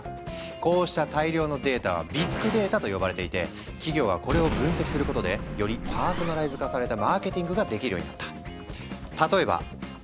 こうした大量のデータはビッグデータと呼ばれていて企業はこれを分析することでよりパーソナライズ化されたマーケティングができるようになった。